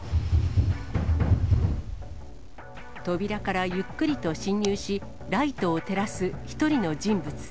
扉からゆっくりと侵入し、ライトを照らす１人の人物。